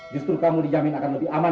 justru kamu dijamin akan lebih aman